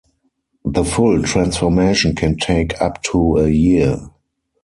The full transformation can take up to a year.